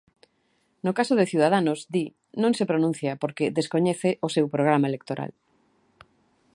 No caso de Ciudadanos, di, non se pronuncia porque "descoñece o seu programa electoral".